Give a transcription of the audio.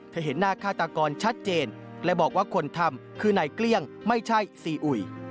เห็นหน้าฆาตกรชัดเจนและบอกว่าคนทำคือนายเกลี้ยงไม่ใช่ซีอุย